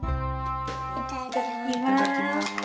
いただきます。